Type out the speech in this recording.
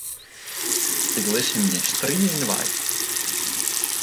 Ik lis him gjin strie yn 'e wei.